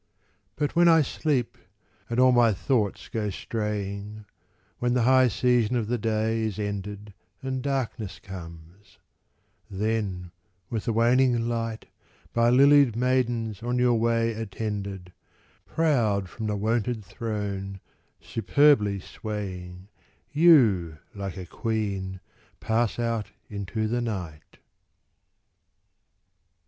But when I sleep, and all my thoughts go straying, When the high session of the day is ended, And darkness comes; then, with the waning light, By lilied maidens on your way attended, Proud from the wonted throne, superbly swaying, You, like a queen, pass out into the night.